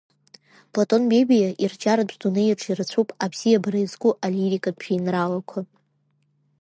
Платон Бебиа ирҿиаратә дунеиаҿ ирацәоуп абзиабара иазку алирикатә жәеинраалақәа.